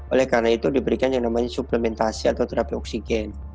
oleh karena itu diberikan yang namanya suplementasi atau terapi oksigen